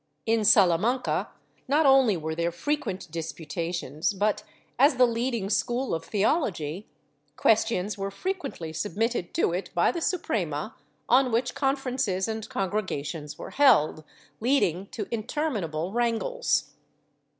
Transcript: In Salamanca, not only were there frequent disputations but, as the leading school of theology, questions were frequently submitted to it by the Suprema on which conferences and congregations were held, leading to interminable wrangles.